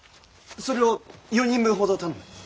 それを４人分ほど頼む。